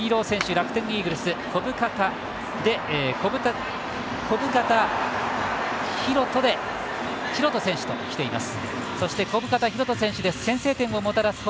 楽天イーグルス小深田大翔選手ときています。